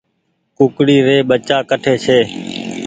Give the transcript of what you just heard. ڪُڪڙي ري ٻچا ڪٺي ڇي